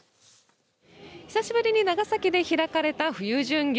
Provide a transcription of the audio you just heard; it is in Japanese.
久しぶりに長崎で開かれた冬巡業。